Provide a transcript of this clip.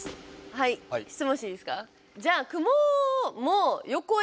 はい質問していいですか？